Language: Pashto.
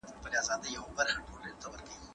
دښمني به په دوستۍ او ورورولۍ بدله سي.